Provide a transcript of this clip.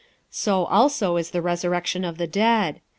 46:015:042 So also is the resurrection of the dead.